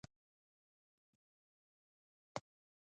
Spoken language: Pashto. د ژبارواپوهنې څانګه د ژبزده کړې مسالې څېړي